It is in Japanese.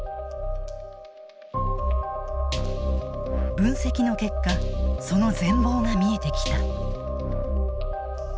分析の結果その全貌が見えてきた。